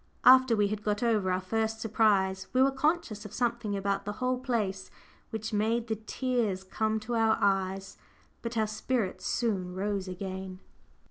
After we had got over our first surprise, we were conscious of something about the whole place which made the tears come to our eyes. But our spirits soon rose again.